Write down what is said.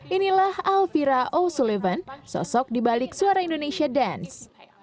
inilah alvira o'sullivan sosok di balik suara indonesia dance